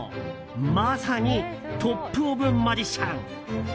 まさにトップ・オブ・マジシャン！